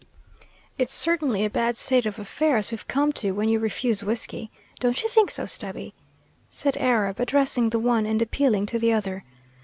"It's certainly a bad state of affairs we've come to when you refuse whiskey. Don't you think so, Stubby?" said Arab, addressing the one and appealing to the other.